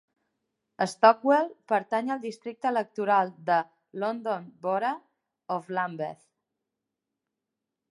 Stockwell pertany al districte electoral de London Borough of Lambeth.